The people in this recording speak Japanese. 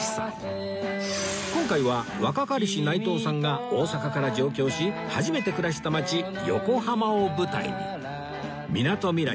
今回は若かりし内藤さんが大阪から上京し初めて暮らした街横浜を舞台にみなとみらい